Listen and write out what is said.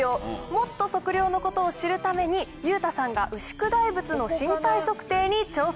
もっと測量のことを知るために裕太さんが牛久大仏の身体測定に挑戦。